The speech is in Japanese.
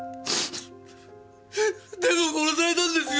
でも殺されたんですよ！